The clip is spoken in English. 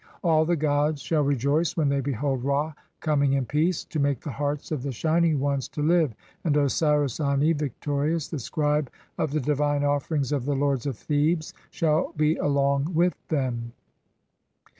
(48) All the gods shall rejoice when they behold Ra coming "in peace (49) to make the hearts of the shining ones to live, "and Osiris Ani, victorious, the scribe of the divine offerings of "the lords of Thebes, shall be along with them!"